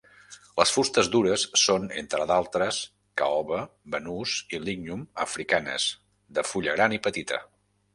Les fustes dures són, entre d'altres, caoba, banús i lignum africanes de fulla gran i petita.